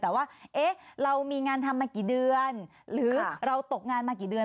แต่ว่าเอ๊ะเรามีงานทำมากี่เดือนหรือเราตกงานมากี่เดือน